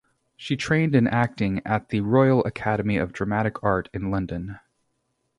She trained in acting at the Royal Academy of Dramatic Art in London.